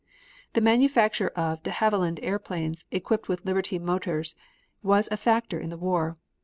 The manufacture of De Haviland airplanes equipped with Liberty motors was a factor in the war.